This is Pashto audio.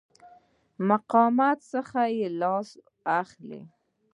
مقاومته څخه لاس اخلي.